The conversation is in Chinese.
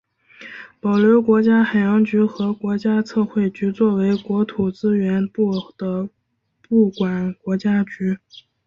保留国家海洋局和国家测绘局作为国土资源部的部管国家局。